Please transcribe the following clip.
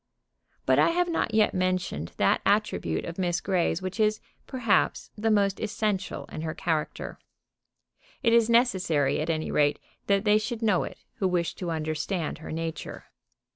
But I have not yet mentioned that attribute of Miss Grey's which is, perhaps, the most essential in her character. It is necessary, at any rate, that they should know it who wish to understand her nature.